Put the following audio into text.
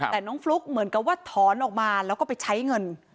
แต่น้องฟลุ๊กเหมือนกับว่าถอนออกมาแล้วก็ไปใช้เงิน